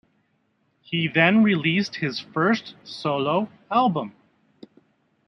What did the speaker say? He then released his first solo album.